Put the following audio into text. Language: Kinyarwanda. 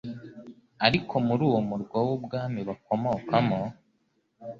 Ariko muri uwo murwa w'ubwami bakomokamo